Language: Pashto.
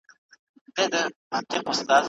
ښوونکی د مهربانۍ سمبول دی.